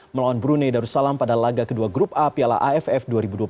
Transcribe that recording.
melawan brunei darussalam pada laga kedua grup a piala aff dua ribu dua puluh tiga